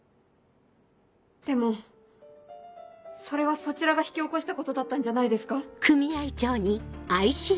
でもそれはそちらが引き起こしたことだったんじゃないですか？